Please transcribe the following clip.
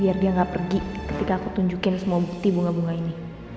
biar dia nggak pergi ketika aku tunjukin semua bukti bunga bunga ini